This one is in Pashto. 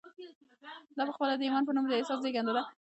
دا پخپله د ايمان په نوم د احساس زېږنده ده.